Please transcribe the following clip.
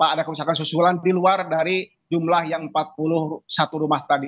ada kerusakan susulan di luar dari jumlah yang empat puluh satu rumah tadi